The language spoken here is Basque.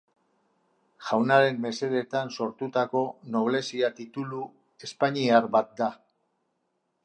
Jaunaren mesedetan sortutako noblezia titulu espainiar bat da.